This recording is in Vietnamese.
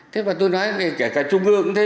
thế mà tôi nói kể cả trung ương cũng thế